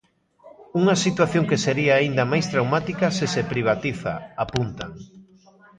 Unha situación que sería aínda máis traumática se se privatiza apuntan.